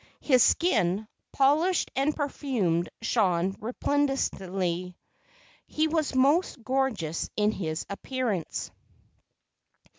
His skin, polished and perfumed, shone resplendently. He was most gorgeous in his appearance.